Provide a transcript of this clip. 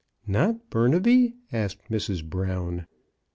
69 "Not Burnaby?" asked Mrs. Brown.